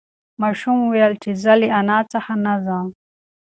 ماشوم وویل چې زه له انا څخه نه ځم.